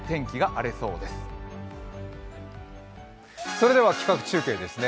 それでは企画中継ですね。